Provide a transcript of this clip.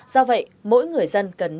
do vậy mỗi người dân cần nâng